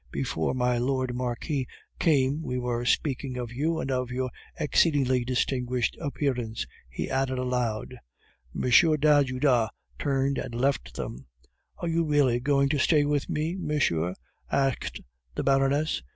Before my lord Marquis came we were speaking of you and of your exceedingly distinguished appearance," he added aloud. M. d'Ajuda turned and left them. "Are you really going to stay with me, monsieur?" asked the Baroness.